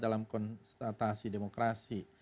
dalam konstatasi demokrasi